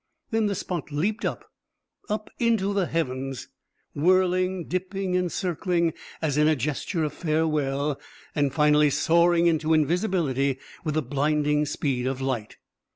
Then the spot leaped up up into the heavens, whirling, dipping and circling as in a gesture of farewell, and finally soaring into invisibility with the blinding speed of light.